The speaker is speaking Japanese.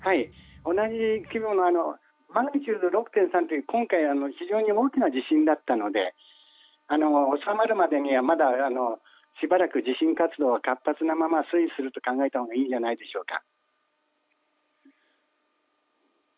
同じ規模のマグニチュード６．３という今回非常に大きな地震だったので収まるまでにはまだしばらく地震活動が活発なまま推移すると考えたほうがいいんじゃないでしょうか。